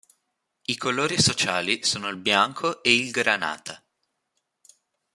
I colori sociali sono il bianco e il granata.